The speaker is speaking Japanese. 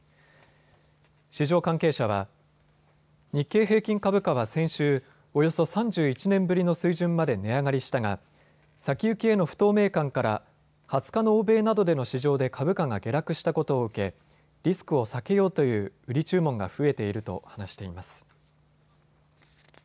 市場関係者は日経平均株価は先週、およそ３１年ぶりの水準まで値上がりしたが先行きへの不透明感から２０日の欧米などでの市場で株価が下落したことを受けリスクを避けようという売り注文が増えていると話しています。